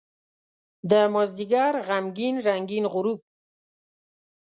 دمازدیګر غمګین رنګین غروب